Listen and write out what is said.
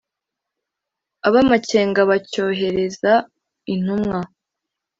ab’amakenga bacyohereza intumwa